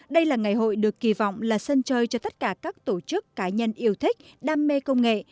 đây là ngày hội được kỳ vọng là sân chơi cho tất cả các tổ chức cá nhân yêu thích đam mê công nghệ